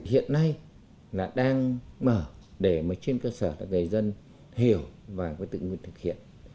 hiện nay là đang mở để trên cơ sở để người dân hiểu và tự nguyện thực hiện